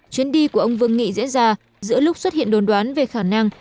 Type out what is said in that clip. chuyến đi của ông vương nghị diễn ra giữa lúc xuất hiện đồn đoán về khả năng